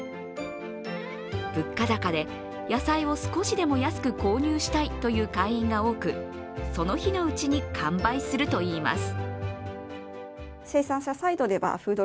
物価高で野菜を少しでも安く購入したいという会員が多くその日のうちに完売するといいます。